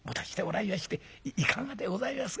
いかがでございますか」。